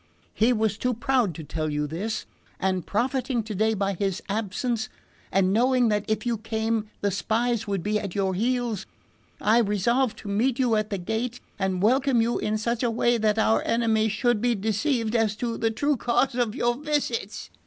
He was too proud to tell you this, and profiting today by his absence, and knowing that if you came the spies would be at your heels, I resolved to meet you at the gate, and welcome you in such a way that our enemies should be deceived as to the true cause of your visits."